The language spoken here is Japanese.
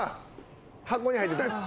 箱に入ってたやつ。